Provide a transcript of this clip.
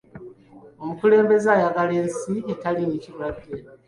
Omukulembeze ayagala ensi etaliimu kirwadde.